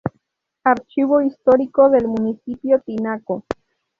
Archivo histórico del Municipio Tinaco.